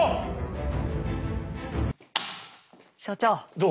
どう？